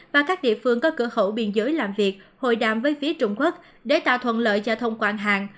và các địa phương có cửa khẩu biên giới làm việc hội đàm với phía trung quốc để tạo thuận lợi cho thông quan hàng